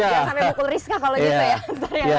jangan sampai pukul rizka kalau gitu ya